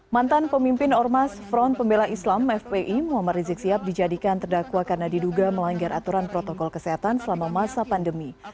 mantan pemimpin ormas front pembela islam fpi muhammad rizik sihab dijadikan terdakwa karena diduga melanggar aturan protokol kesehatan selama masa pandemi